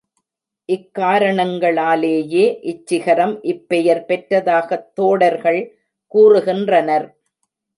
இக் காரணங்களாலேயே இச்சிகரம் இப் பெயர் பெற்றதாகத் தோடர்கள் கூறுகின்றனர்.